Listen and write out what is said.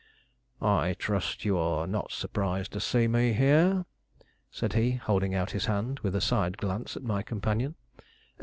"I trust you are not surprised to see me here," said he, holding out his hand, with a side glance at my companion.